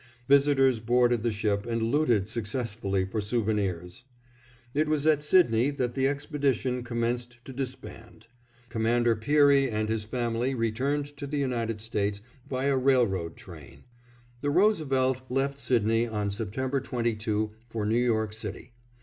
Visitors boarded the ship and looted successfully for souvenirs. It was at Sydney that the expedition commenced to disband. Commander Peary and his family returned to the United States via railroad train. The Roosevelt left Sydney on September 22 for New York City.